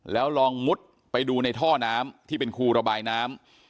แล้วลองมุดไปดูในท่อน้ำที่เป็นครูระบายน้ำ